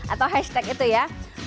atau hashtag itu ya